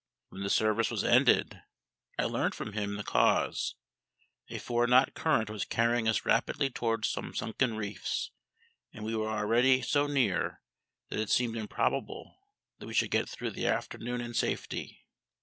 When the service was ended, I learnt from him the cause a four knot current was carrying us rapidly towards some sunken reefs, and we were already so near that it seemed improbable that we should get through the afternoon in safety.